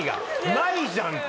ないじゃんか！